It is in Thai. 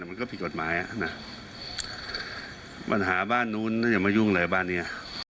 มันก็ผิดกฎหมายอ่ะปัญหาบ้านโน้นจะมายุ่งอะไรกับบ้านนี้อ่ะ